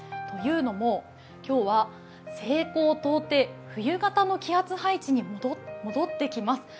というのも今日は西高東低、冬型の気圧配置に戻ってきます。